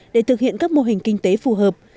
để thực hiện các mô hình kinh tế phù hợp